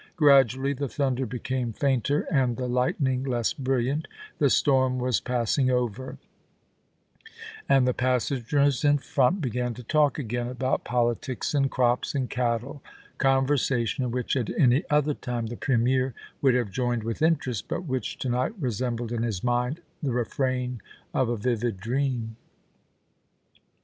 Gradually the thunder became fainter, and the lightning less brilliant ; the storm was passing over, and the passengers in front began to talk again about politics and crops and cattle— conversation in which at any other time the Premier would have joined with interest, but which to night resembled in his mind the refrain of a vivid dream.